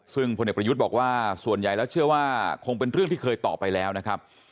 ซึ่งพลเอกประยุทธ์บอกว่าส่วนใหญ่แล้วเชื่อว่าคงเป็นเรื่องที่เคยตอบไปแล้วนะครับ